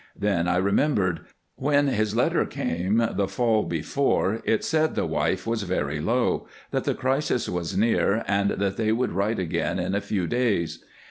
Then I remembered. When his letter came the fall before it said the wife was very low, that the crisis was near, and that they would write again in a few days.